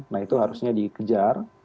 nah itu harusnya dikejar